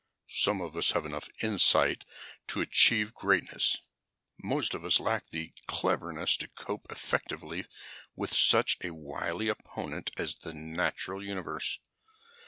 "Some of us have enough insight to achieve greatness. Most of us lack the cleverness to cope effectively with such a wily opponent as the natural universe.